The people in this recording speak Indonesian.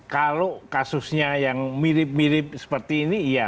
kalau kasusnya yang mirip mirip seperti ini iya